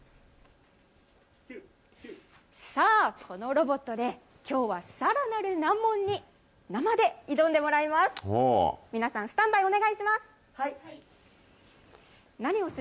さあ、このロボットで、きょうはさらなる難問に、生で挑んでもらいます。